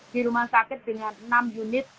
di rumah sakit dengan enam unit